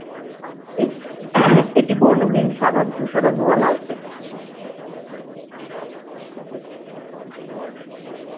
এটি বর্ণহীন, সাদা, ধূসর অথবা লালচে।